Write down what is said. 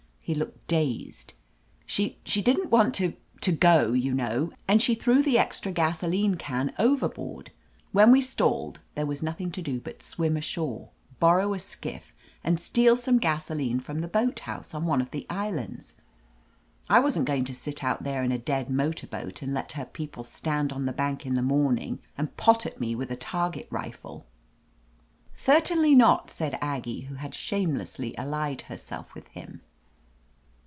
He looked dazed. "She — ^she didn^t want to — ^to go, you know, and she threw the extra gasoline can overboard. When we stalled there was nothing to do but swim ashore, borrow a skiflF, and steal some gasoline from the boat house on one of the islands. I wasn't going to sit out there in a dead motor boat and let her people stand on the bank in the morning and pot at me with a target rifle." "Thirtainly notl" said Aggie, who had shamelessly allied herself with him.